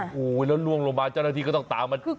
โอ้โหแล้วล่วงลงมาเจ้าหน้าที่ก็ต้องตามมา